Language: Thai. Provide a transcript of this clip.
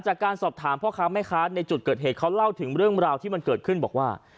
จากการสอบถามพ่อค้าแม่ค้าในจุดเกิดเหตุเขาเล่าถึงเรื่องราวที่มันเกิดขึ้นบอกว่า